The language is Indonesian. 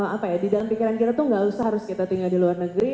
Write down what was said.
apa ya di dalam pikiran kita tuh gak usah harus kita tinggal di luar negeri